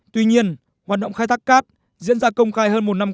tuy nhiên hoạt động khai thác cát diễn ra công khá